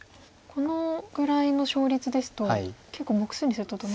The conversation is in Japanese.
このぐらいの勝率ですと結構目数にするとどのぐらい？